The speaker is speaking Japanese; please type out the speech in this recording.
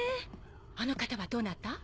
あの方はどなた？